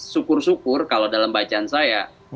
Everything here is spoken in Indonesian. syukur syukur kalau dalam bacaan saya